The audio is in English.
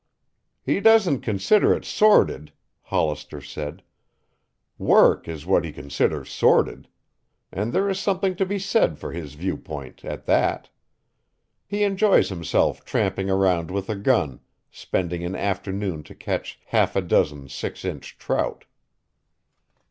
"He doesn't consider it sordid," Hollister said. "Work is what he considers sordid and there is something to be said for his viewpoint, at that. He enjoys himself tramping around with a gun, spending an afternoon to catch half a dozen six inch trout."